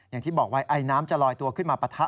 อย่างที่บอกว่าไอน้ำจะลอยตัวขึ้นมาปะทะ